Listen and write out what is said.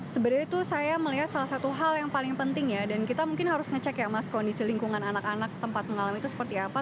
sebenarnya itu saya melihat salah satu hal yang paling penting ya dan kita mungkin harus ngecek ya mas kondisi lingkungan anak anak tempat mengalami itu seperti apa